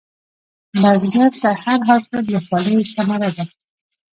بزګر ته هر حاصل د خولې ثمره ده